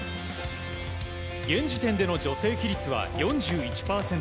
現時点での女性比率は４１％。